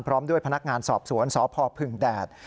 พร้อมด้วยพนักงานสอบสวนสพพึงแดด